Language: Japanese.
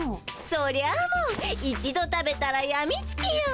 そりゃもう一度食べたらやみつきよ。